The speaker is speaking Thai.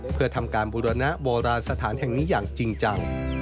เพื่อทำการบุรณะโบราณสถานแห่งนี้อย่างจริงจัง